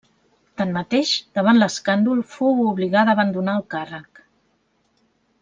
Tanmateix, davant l'escàndol, fou obligada a abandonar el càrrec.